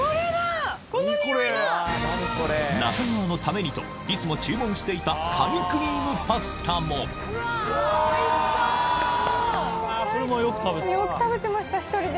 中川のためにといつも注文していたカニクリームパスタもこれもよく食べてたの？